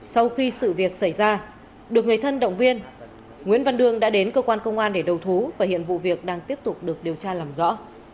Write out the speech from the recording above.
sau khi sự việc xảy ra được người thân động viên nguyễn văn đương đã đến cơ quan công an để đầu thú và hiện vụ việc đang tiếp tục được điều tra làm rõ